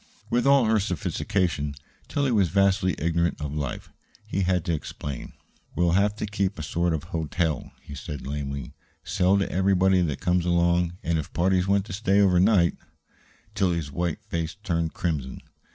With all her sophistication, Tillie was vastly ignorant of life. He had to explain. "We'll have to keep a sort of hotel," he said lamely. "Sell to everybody that comes along, and if parties want to stay over night " Tillie's white face turned crimson.